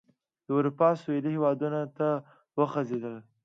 د اروپا سوېلي هېوادونو ته وغځېدل.